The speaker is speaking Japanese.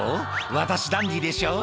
私ダンディーでしょ？」